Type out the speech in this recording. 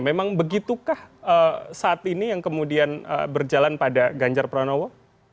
memang begitukah saat ini yang kemudian berjalan pada ganjar pranowo